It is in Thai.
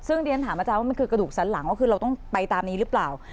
ซึ่งเรียนถามอาจารย์ว่ามันคือกระดูกสันหลังว่าคือเราต้องไปตามนี้หรือเปล่า